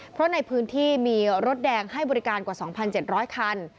เพราะในพื้นที่มีรถแดงให้บริการกว่าสองพันเจ็ดร้อยคัน